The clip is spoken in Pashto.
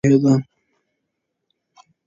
د ناټو پوځي دلګۍ نه پوهېده.